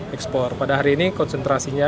ekspor pada hari ini konsentrasinya